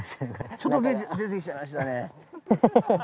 ちょっと出てきちゃいましたね。